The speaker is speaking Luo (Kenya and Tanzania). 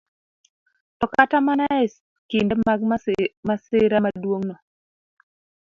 To kata mana e kinde mag masira maduong'no,